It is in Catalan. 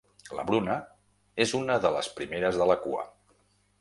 La Bruna és una de les primeres de la cua.